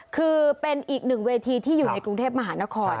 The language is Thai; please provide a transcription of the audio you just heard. คือเป็นอีกหนึ่งเวทีที่อยู่ในกรุงเทพมหานคร